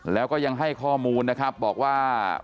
แล้วก็ยังให้ข้อมูลนะครับบอกว่า